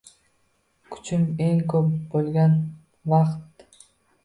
Kuchim eng ko’p bo’lgan vaqt.